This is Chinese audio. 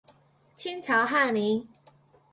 清朝翰林。